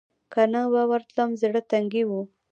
که نه به ورتلم زړه تنګۍ و.